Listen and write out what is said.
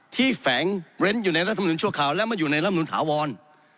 แฝงเว้นอยู่ในรัฐมนุนชั่วคราวและมาอยู่ในรำนุนถาวร